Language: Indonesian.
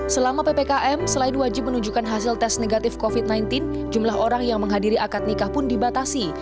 selama ppkm selain wajib menunjukkan hasil tes negatif covid sembilan belas jumlah orang yang menghadiri akad nikah pun dibatasi